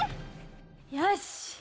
よし！